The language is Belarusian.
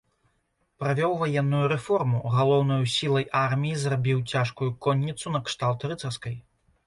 Правёў ваенную рэформу, галоўнаю сілай арміі зрабіў цяжкую конніцу накшталт рыцарскай.